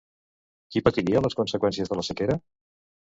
Qui patiria les conseqüències de la sequera?